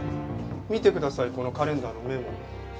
見てくださいこのカレンダーのメモ。